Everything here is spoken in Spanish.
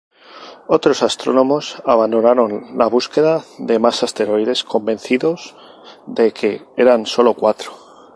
Otros astrónomos abandonaron la búsqueda de más asteroides convencidos de que eran sólo cuatro.